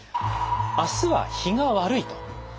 明日は日が悪いと。